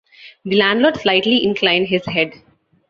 The landlord slightly inclined his head.